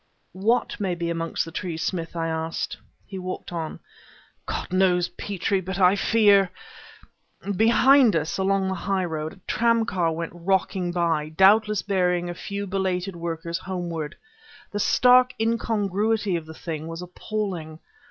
"What may be amongst the trees, Smith?" I asked. He walked on. "God knows, Petrie; but I fear " Behind us, along the highroad, a tramcar went rocking by, doubtless bearing a few belated workers homeward. The stark incongruity of the thing was appalling.